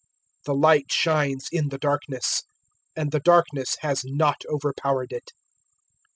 001:005 The Light shines in the darkness, and the darkness has not overpowered it.